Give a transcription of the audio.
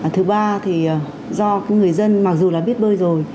thứ ba thì do người dân mặc dù là biết bơi rồi